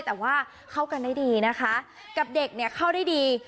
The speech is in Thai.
แต่ว่าเข้ากันได้ดีนะคะกับเด็กเนี่ยเข้าได้ดี